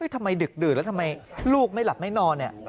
ทำไมดึกดื่นแล้วทำไมลูกไม่หลับไม่นอน